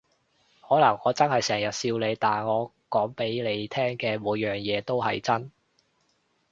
可能我真係成日笑你，但我講畀你聽嘅每樣嘢都係真